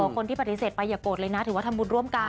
คนที่ปฏิเสธไปอย่าโกรธเลยนะถือว่าทำบุญร่วมกัน